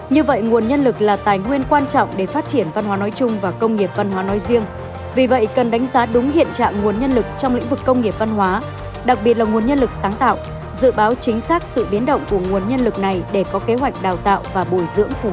như vậy nguồn nhân lực là tài nguyên quan trọng để phát triển văn hóa nói chung và công nghiệp văn hóa nói riêng vì vậy cần đánh giá đúng hiện trạng nguồn nhân lực trong lĩnh vực công nghiệp văn hóa đặc biệt là nguồn nhân lực sáng tạo dự báo chính xác sự biến động của nguồn nhân lực này để có kế hoạch đào tạo và bồi dưỡng phù hợp